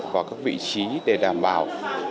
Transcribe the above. và các vị trí để đảm bảo